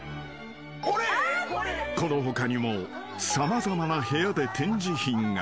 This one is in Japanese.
［この他にも様々な部屋で展示品が］